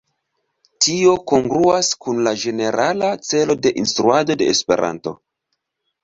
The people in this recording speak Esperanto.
Tio kongruas kun la ĝenerala celo de instruado de Esperanto.